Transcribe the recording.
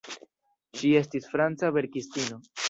Ŝi estis franca verkistino.